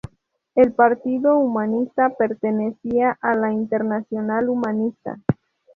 El Partido Humanista pertenecía a la Internacional Humanista.